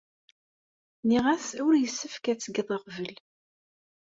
Nniɣ-as ur yessefk ad tgeḍ aɣbel.